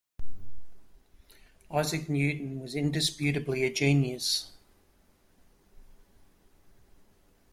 Isaac Newton was indisputably a genius.